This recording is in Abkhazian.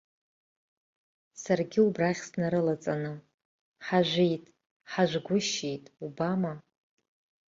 Саргьы убрахь снарылаҵаны ҳажәит, ҳажәгәышьеит, убама!